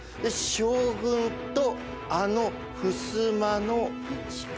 将軍とあのふすまの位置関係。